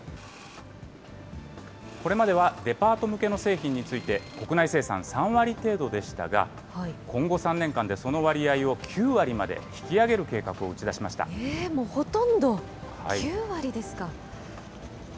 これまではデパート向けの製品について、国内生産３割程度でしたが、今後３年間でその割合を９割まで引き上げる計画を打ち出しまもうほとんど？